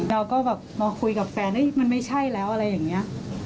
เราก็คุยกับแฟนว่าไม่ใช่ว่าอะไรอย่างนี้